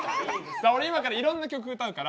俺今からいろんな曲歌うから石橋